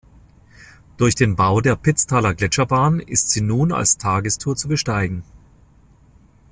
Durch den Bau der Pitztaler Gletscherbahn ist sie nun als Tagestour zu besteigen.